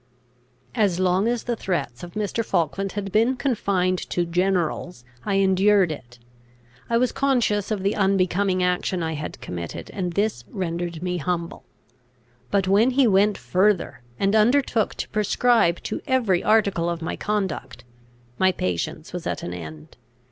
As long as the threats of Mr. Falkland had been confined to generals, I endured it. I was conscious of the unbecoming action I had committed, and this rendered me humble. But, when he went further, and undertook to prescribe to every article of my conduct, my patience was at an end.